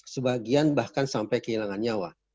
sebagian bahkan sampai kehilangan nyawa